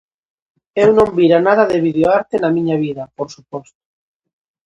Eu non vira nada de videoarte na miña vida, por suposto.